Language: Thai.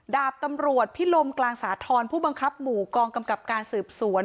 ดาบตำรวจพิลมกลางสาธรณ์ผู้บังคับหมู่กองกำกับการสืบสวน